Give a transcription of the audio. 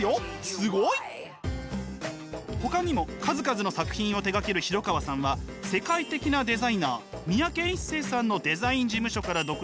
すごい！ほかにも数々の作品を手がける廣川さんは世界的なデザイナー三宅一生さんのデザイン事務所から独立して１７年目。